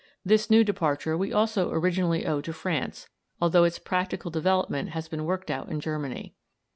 This new departure we also originally owe to France, although its practical development has been worked out in Germany.